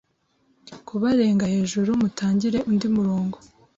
Kubarenga hejuru mutangire undi murongo